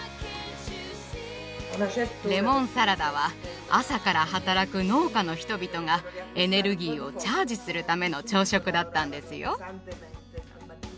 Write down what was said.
レモンサラダは朝から働く農家の人々がエネルギーをチャージするための朝食だったんですよ。